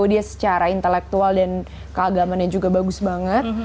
dia secara intelektual dan keagamannya juga bagus banget